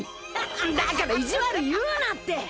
だから意地悪言うなって！